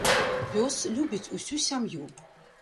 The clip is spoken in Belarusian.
Пёс любіць усю сям'ю.